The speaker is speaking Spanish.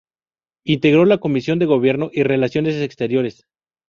Integró la comisión de Gobierno y Relaciones Exteriores.